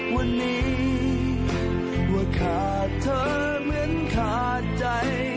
วันนี้ว่าขาดเธอเหมือนขาดใจ